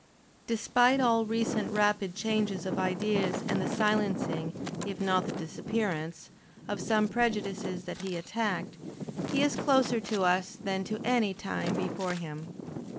Despite all recent rapid changes of ideas and the silencing, if not the disappearance, of some prejudices that he attacked, he is closer to us than to any time before him.